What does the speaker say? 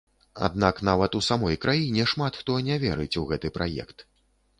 Аднак нават у самой краіне шмат хто не верыць у гэты праект.